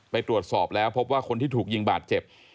ไปตรวจสอบแล้วพบว่าคนที่ถูกยิงบาดเจ็บ